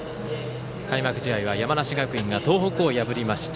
開幕試合は山梨学院が東北を破りました。